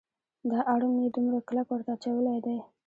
دا اړم یې دومره کلک ورته اچولی دی.